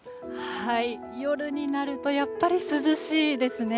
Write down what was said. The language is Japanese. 夜になるとやっぱり涼しいですね。